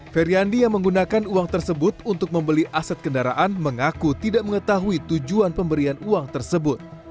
feryandi yang menggunakan uang tersebut untuk membeli aset kendaraan mengaku tidak mengetahui tujuan pemberian uang tersebut